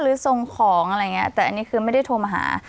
ส่งของอะไรอย่างนี้แต่อันนี้คือไม่ได้โทรมาหา